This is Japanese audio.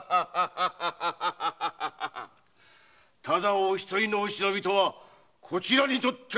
ただお一人のお忍びとはこちらにとってはもっけの幸い。